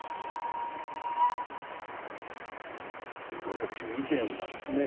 私も以前はですね